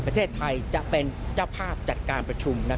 ประเทศไทยจะเป็นเจ้าภาพจัดการประชุม